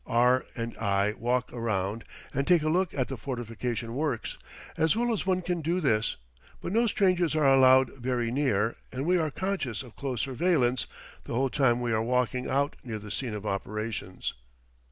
R and I walk around and take a look at the fortification works, as well as one can do this; but no strangers are allowed very near, and we are conscious of close surveillance the whole time we are walking out near the scene of operations.